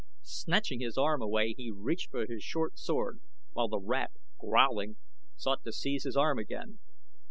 Snatching his arm away he reached for his short sword, while the rat, growling, sought to seize his arm again.